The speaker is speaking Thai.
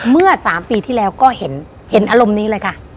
เมื่อ๓ปีที่แล้วก็เห็นอารมณ์นี้เลยค่ะ